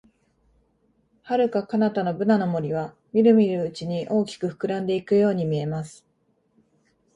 遥か彼方のブナの森は、みるみるうちに大きく膨らんでいくように見えます。